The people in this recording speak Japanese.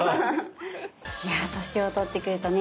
いや年を取ってくるとね